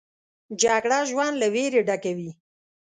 جګړه ژوند له ویرې ډکوي